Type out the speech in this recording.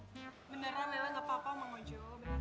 beneran lela gak apa apa mang ujo